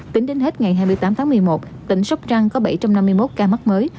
tính đến hết ngày hai mươi tám tháng một mươi một tỉnh sóc trăng có bảy trăm năm mươi một ca mắc mới